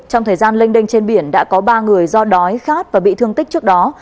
trong thời gian lênh đênh trên biển đã có ba người do đói khát và bị thương tích trước đó